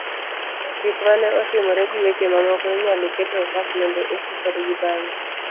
Gik mane otimore gi weche mamoko, inyalo kete otas mondo oti kodgi bang'e.